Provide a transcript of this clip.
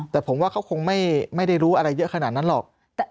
แต่ผมว่าเขาคงไม่ได้รู้อะไรเยอะขนาดนั้นหรอก